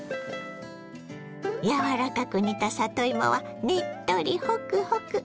柔らかく煮た里芋はねっとりホクホク。